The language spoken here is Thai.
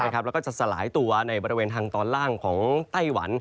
แล้วก็จะสลายตัวในบริเวณทางตอนล่างของไต้หวัน